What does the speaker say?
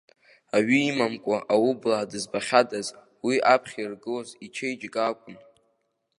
Аҩы имамкәа аублаа дызбахьадаз, уи аԥхьа иргылоз ичеиџьыка акәын!